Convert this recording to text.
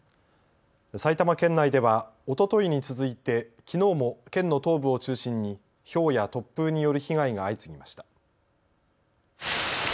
埼玉県内では、おとといに続いてきのうも県の東部を中心にひょうや突風による被害が相次ぎました。